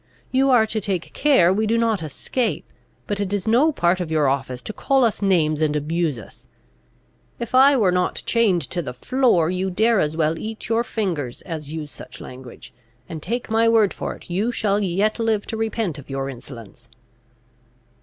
You are to take care we do not escape; but it is no part of your office to call us names and abuse us. If I were not chained to the floor, you dare as well eat your fingers as use such language; and, take my word for it, you shall yet live to repent of your insolence."